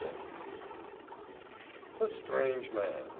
VI 'A strange man!